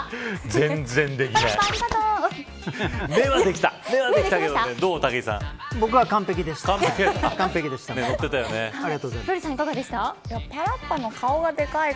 全然できない。